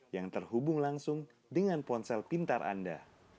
yang terhubung langsung dengan ponsel pintar anda